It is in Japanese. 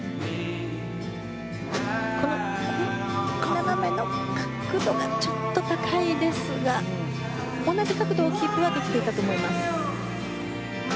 斜めの角度がちょっと高いですが同じ角度をキープしていたと思います。